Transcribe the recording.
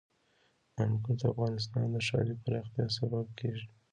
انګور د افغانستان د ښاري پراختیا سبب کېږي.